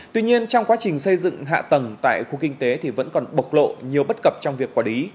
tuy nhiên trong quá trình xây dựng hạ tầng tại khu kinh tế thì vẫn còn bộc lộ nhiều bất cập trong việc quản lý